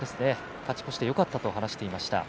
勝ち越してよかったと話していました。